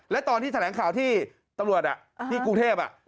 และตอนที่แถลงข่าวที่ตำรวจที่กรุงเทพ